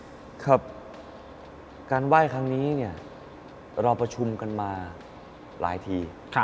ครับการไหว้ครั้งนี้เนี่ยเราประชุมกันมาหลายที